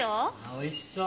おいしそう。